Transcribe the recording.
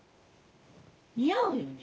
似合うよね。